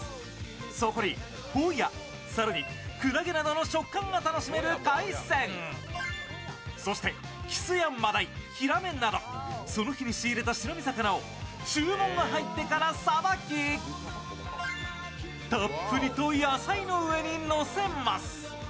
そこに、ホヤ、さらにクラゲなどの食感が楽しめる海鮮、そしてキスやマダイ、ヒラメなどその日に仕入れた白身魚を注文が入ってからさばきたっぷりと野菜の上にのせます。